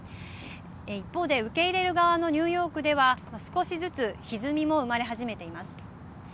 一方で受け入れる側のニューヨークでは少しずつひずみも生まれはじめています。